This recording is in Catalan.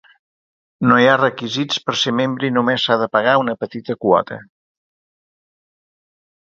No hi ha requisits per ser membre i només s"ha de pagar una petita quota.